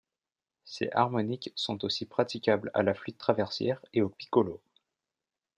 Ces harmoniques sont aussi praticables à la flûte traversière et au piccolo.